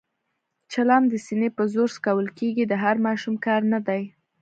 چلم د سینې په زور څکول کېږي، د هر ماشوم کار نه دی.